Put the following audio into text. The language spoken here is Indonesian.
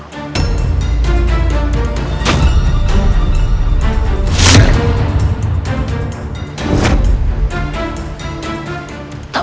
aku akan memanfaatkan kenteringmu ke dalam tahap